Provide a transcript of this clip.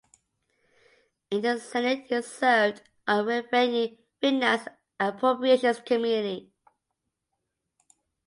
In the Senate he served on the Revenue, Finance and Appropriations Committee.